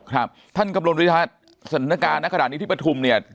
ครับท่านกำลมวิทยาศนการณ์ณขดานนี้ที่ประทุมเนี่ย